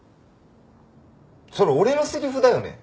それ俺のセリフだよね。